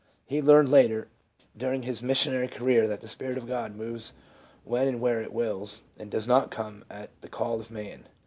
He learned later during his mis sionary career that 'the Spirit of God moves when and where It wills, and does not come at the call of man.'